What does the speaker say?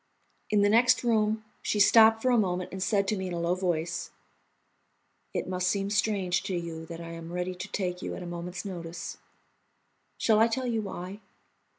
In the next room she stopped for a moment and said to me in a low voice: "It must seem strange to you that I am ready to take you at a moment's notice. Shall I tell you why?